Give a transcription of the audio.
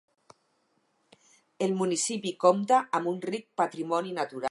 El municipi compta amb un ric patrimoni natural.